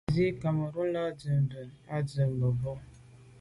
Ndzî Cameroun là'də̌ nù bìn à' tswə́ mə̀bró.